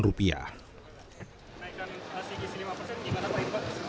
kenaikan cgc lima persen gimana pak